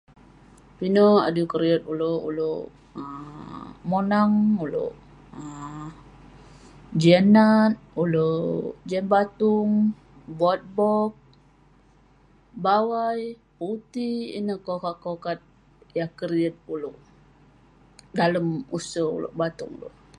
Pinek adui keriyet ulouk. Ulouk um monang, ulouk um jian nat, ulouk jian batung, buat bog, bawai, putik. Ineh kokat kokat yah keriyet ulouk dalem use ulouk. Batung ulouk.